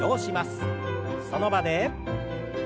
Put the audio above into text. その場で。